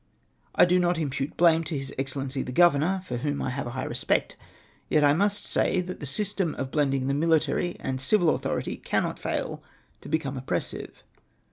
I do not impute blame to His Excellency the Governor, for whom I have a high respect, yet I must say that the system of blending tlie military and civil authority cannot fail to becon; ie oppressive.